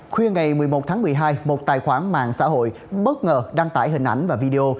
khuya ngày một mươi một tháng một mươi hai một tài khoản mạng xã hội bất ngờ đăng tải hình ảnh và video